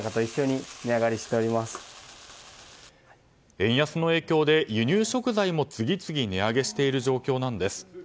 円安の影響で輸入食材も次々値上げしている状況なんです。